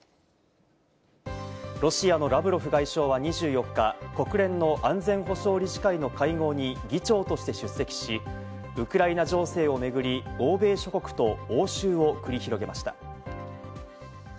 ロシアのラブロフ外相は２４日、国連の安全保障理事会の会合に議長として出席し、ウクライナ情勢をめぐり、欧米諸国と応酬を繰り広げました。